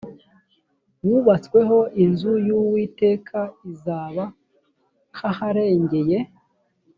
wubatsweho inzu y uwiteka uzaba nk aharengeye